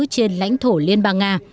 trên lãnh thổ liên bang nga